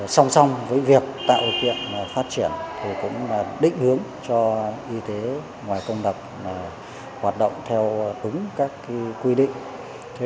song song với việc tạo thiện phát triển tôi cũng định đường cho y tế ngoài công lập hoạt động theo đúng các quy định